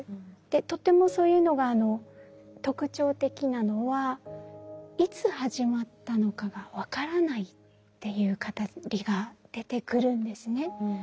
とてもそういうのが特徴的なのはいつ始まったのかが分からないっていう語りが出てくるんですね。